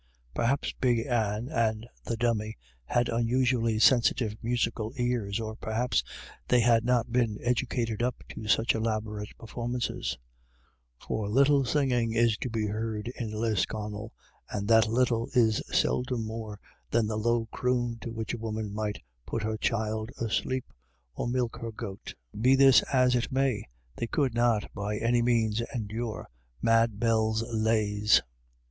Perhaps Big Anne and the Dummy had unusually sensitive musical ears, or perhaps they had not been educated up to such elaborate performances ; for little singing is to be heard in Lisconnel, and that little is seldom more than the low croon to which a woman might put her child asleep or milk her goat Be this as it may, they could not by any means endure Mad Bell's lays.